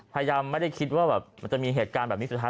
ไม่ได้คิดว่าแบบมันจะมีเหตุการณ์แบบนี้สุดท้าย